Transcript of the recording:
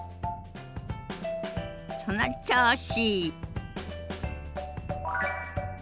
その調子！